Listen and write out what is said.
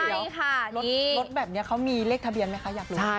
ลดแบบนี้เขามีเลขทะเบียนไหมคะอยากรู้ไหม